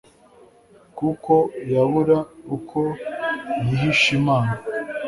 kuko yabur uko yihishlmana